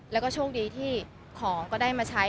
แล้วก็โชคดีที่ของก็ได้มาใช้